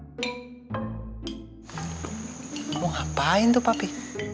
kamu ngapain tuh papi